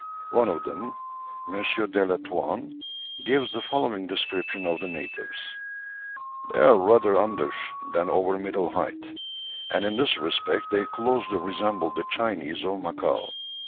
One of them, M. de la Touanne, gives the following description of the natives: "They are rather under than over middle height, and in this respect they closely resemble the Chinese of Macao.